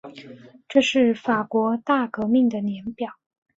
这是法国大革命的年表